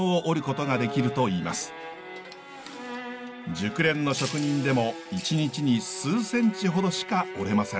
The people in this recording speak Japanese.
熟練の職人でも１日に数センチほどしか織れません。